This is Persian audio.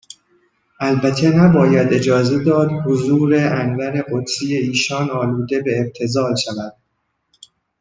البته نباید اجازه داد حضور انور قدسی ایشان الوده به ابتذال شود